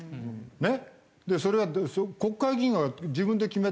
ねっ？